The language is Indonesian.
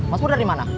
mas pur dari mana